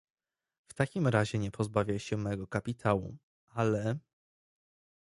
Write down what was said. "W takim razie nie pozbawiaj się mego kapitału, ale..."